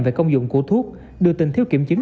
về công dụng của thuốc đưa tin thiếu kiểm chứng